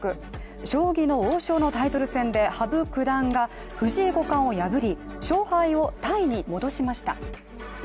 将棋の王将のタイトル戦で羽生九段が藤井五冠を破り勝敗をタイに戻しました。